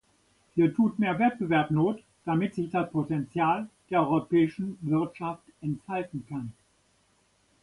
Hier tut mehr Wettbewerb Not, damit sich das Potenzial der europäischen Wirtschaft entfalten kann.